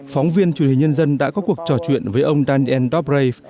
phóng viên truyền hình nhân dân đã có cuộc trò chuyện với ông daniel dobray